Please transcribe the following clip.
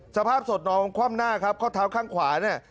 สภาพศพน้องคว่ำหน้าครับข้อเท้าข้างขวาเนี่ย